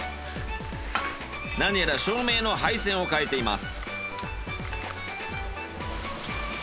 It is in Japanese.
何やら照明の配線を変えています。